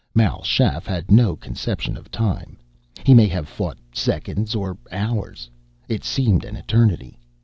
Mal Shaff had no conception of time. He may have fought seconds or hours. It seemed an eternity.